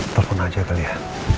telepon aja kali ya